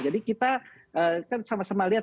jadi kita kan sama sama lihat